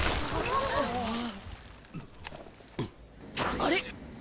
あれ？